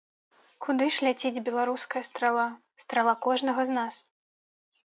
Куды ж ляціць беларуская страла, страла кожнага з нас?